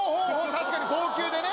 確かに高級でね。